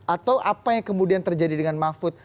atau apa yang kemudian terjadi dengan mahfud